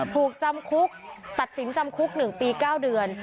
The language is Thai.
ถูกจำคุกตัดสินจำคุก๑ปี๙เดือน